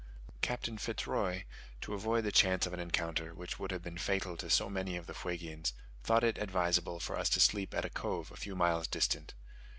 Captain Fitz Roy, to avoid the chance of an encounter, which would have been fatal to so many of the Fuegians, thought it advisable for us to sleep at a cove a few miles distant.